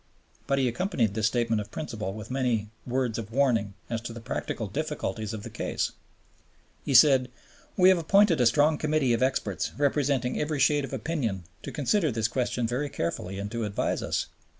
But he accompanied this statement of principle with many "words of warning" as to the practical difficulties of the case: "We have appointed a strong Committee of experts, representing every shade of opinion, to consider this question very carefully and to advise us.